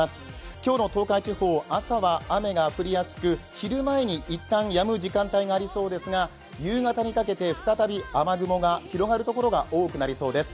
今日の東海地方、朝は雨が降りやすく、昼前に一旦やむ時間帯がありそうですが夕方にかけて再び雨雲が広がるところが多くなりそうです。